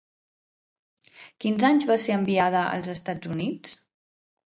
Quins anys va ser enviada als Estats Units?